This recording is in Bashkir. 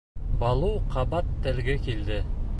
— Балу ҡабат телгә килде.